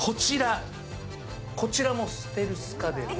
こちらもステルス家電です。